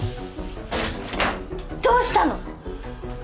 どうしたの？